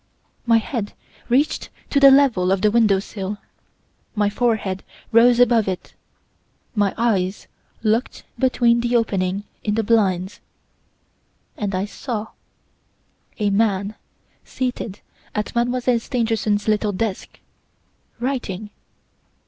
My head reached to the level of the window sill; my forehead rose above it; my eyes looked between the opening in the blinds and I saw A man seated at Mademoiselle Stangerson's little desk, writing.